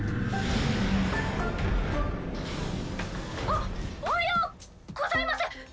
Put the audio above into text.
おおはようございます。